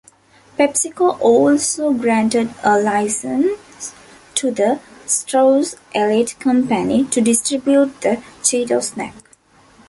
PepsiCo also granted a license to the Strauss-Elite company to distribute the Cheetos snack.